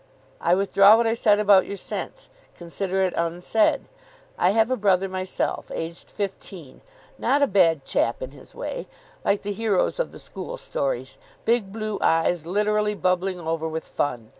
"I withdraw what I said about your sense. Consider it unsaid. I have a brother myself. Aged fifteen. Not a bad chap in his way. Like the heroes of the school stories. 'Big blue eyes literally bubbling over with fun.